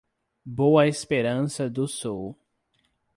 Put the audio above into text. Boa Esperança do Sul